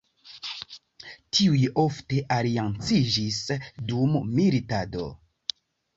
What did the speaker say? Tiuj ofte alianciĝis dum militado.